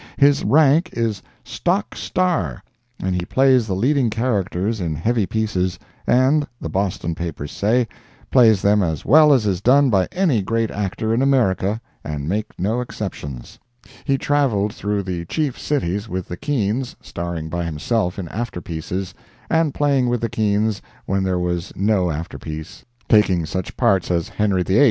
His rank is "Stock Star," and he plays the leading characters in heavy pieces, and, the Boston papers say, plays them as well as is done by any great actor in America, and make no exceptions. He traveled through the chief cities with the Keans, starring by himself in afterpieces, and playing with the Keans when there was no afterpiece—taking such parts as "Henry VIII."